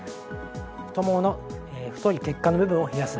太ももの太い血管部分を冷やす。